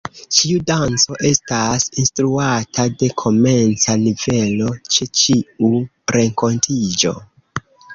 Ĉiu danco estas instruata de komenca nivelo ĉe ĉiu renkontiĝo.